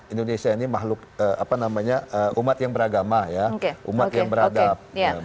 indonesia ini makhluk umat yang beragama umat yang beradab